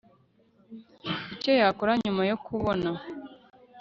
icyo yakora nyuma yo kubona